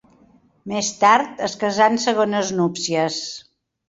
Més tard, es casà en segones núpcies.